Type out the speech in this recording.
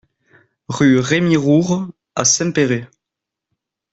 Rue Rémy Roure à Saint-Péray